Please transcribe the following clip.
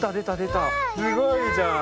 すごいじゃん。